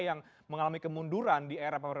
yang mengalami kemunduran di era pemerintah